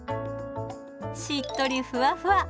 しっとりふわふわ。